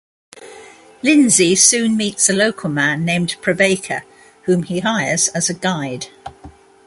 Lindsay soon meets a local man named Prabaker whom he hires as a guide.